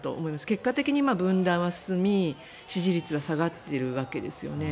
結果的に分断は進み、支持率は下がっているわけですよね。